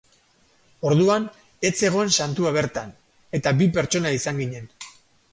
Orduan ez zegoen santua bertan, eta bi pertsona izan ginen.